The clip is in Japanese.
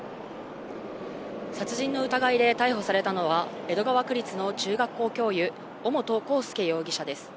殺人の疑いで逮捕されたのは、江戸川区立の中学校教諭、尾本幸祐容疑者です。